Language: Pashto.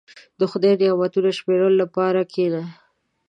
• د خدای نعمتونه شمیرلو لپاره کښېنه.